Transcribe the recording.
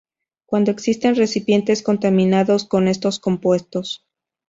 Cuando existen recipientes contaminados con estos compuestos.